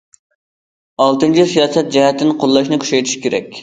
ئالتىنچى سىياسەت جەھەتتىن قوللاشنى كۈچەيتىش كېرەك.